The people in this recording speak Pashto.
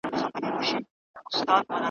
نه غماز راته دېره وي نه سهار سي له آذانه ,